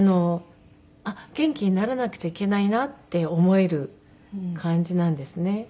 あっ元気にならなくちゃいけないなって思える感じなんですね。